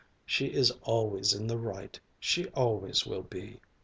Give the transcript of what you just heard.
She is always in the right. She always will be.